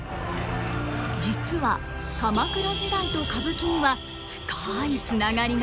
実は鎌倉時代と歌舞伎には深いつながりが。